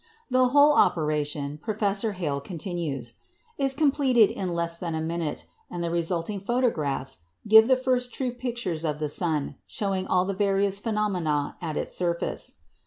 The whole operation," Professor Hale continues, "is completed in less than a minute, and the resulting photographs give the first true pictures of the sun, showing all of the various phenomena at its surface."